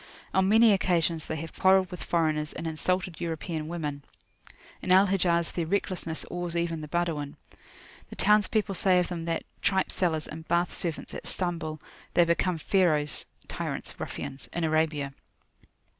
On many occasions they have quarrelled with foreigners, and insulted European women. In Al Hijaz their recklessness awes even the Badawin. The townspeople say of them that, "tripe sellers, and bath servants, at Stambul, they become Pharaohs (tyrants, ruffians,) in Arabia."